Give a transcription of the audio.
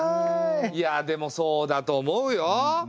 いやでもそうだと思うよ。